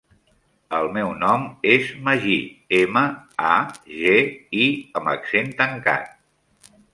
El meu nom és Magí: ema, a, ge, i amb accent tancat.